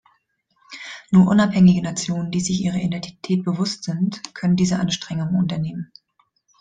Nur unabhängige Nationen, die sich ihrer Identität bewusst sind, können diese Anstrengung unternehmen.